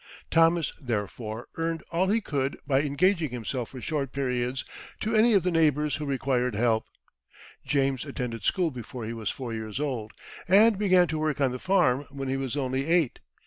Thomas, therefore, earned all he could by engaging himself for short periods to any of the neighbours who required help. James attended school before he was four years old, and began to work on the farm when he was only eight.